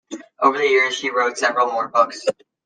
Over the years, she wrote several more books.